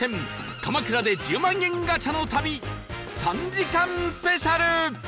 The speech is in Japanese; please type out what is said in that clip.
鎌倉で１０万円ガチャの旅３時間スペシャル